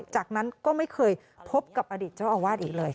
จากนั้นก็ไม่เคยพบกับอดีตเจ้าอาวาสอีกเลย